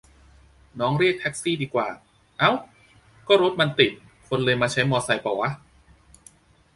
น้องเรียกแท็กซี่ดีกว่า เอ๊า ก็รถมันติดคนเลยมาใช้มอไซค์ปะวะ